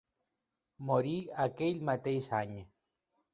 Morí aquell mateix any.